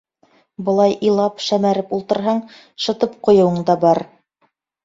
«Былай илап-шәмәреп ултырһаң, «шытып» ҡуйыуың да бар.